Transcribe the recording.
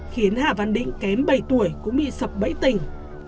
khiến hà văn định kém bảy tuổi cũng bị sập bẫy tình